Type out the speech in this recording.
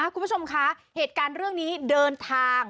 คุณผู้ชมคะเหตุการณ์เรื่องนี้เดินทาง